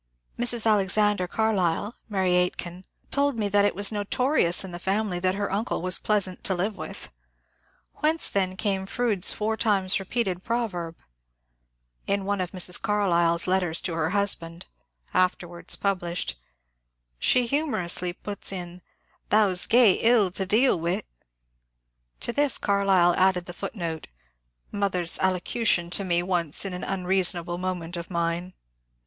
Mrs. Alexander Carlyle (Mary Aitken) told me that it was notorious in the family that her uncle was pleasant to live with. Whence, then, came Fronde's four times repeated proverb ? In one of Mrs. Carlyle's letters to her husband (afterwards published) she humorously puts in, " Thou 's gay ill to deal wi'." To this Carlyle added the footnote :^^ Mother's allocution to me once in an unreason able moment of mine."